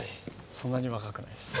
そんなに若くないです。